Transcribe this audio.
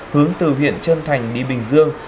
hướng từ huyện trân thành đi bình dương